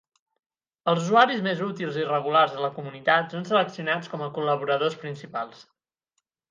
Els usuaris més útils i regulars de la comunitat són seleccionats com a Col·laboradors Principals.